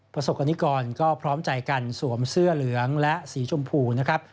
ประสบกรณิกรก็พร้อมใจกันสวมเสื้อเหลืองและสีชมพูนะครับ